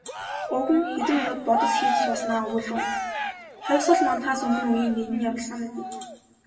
Өвгөн хэдэн минут бодос хийж сууснаа өгүүлрүүн "Хувьсгал мандахаас өмнө үеийн нэгэн явдал санагдана".